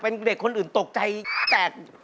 เป็นเด็กคนอื่นตกใจแตก